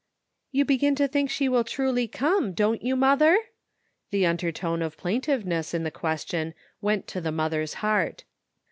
"You begin to think she will truly come, don't you, mother? " The undertone of plaintiveness in the ques tion went to the mother's heart.